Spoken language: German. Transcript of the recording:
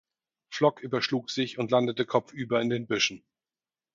Flock überschlug sich und landete kopfüber in den Büschen.